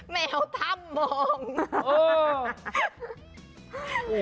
แหมวทำมอง